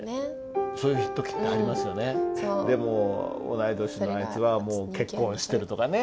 同い年のあいつはもう結婚してる」とかね